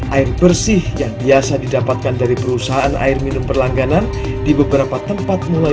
air bersih yang biasa didapatkan dari perusahaan air minum perlangganan di beberapa tempat mulai